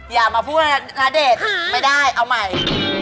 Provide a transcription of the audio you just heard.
อย่ามาพูดว่าณเดชน์ไม่ได้เอาใหม่